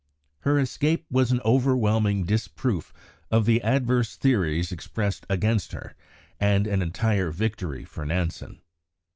Her escape was an overwhelming disproof of the adverse theories expressed against her, and an entire victory for Nansen.